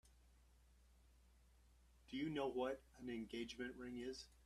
Do you know what an engagement ring is?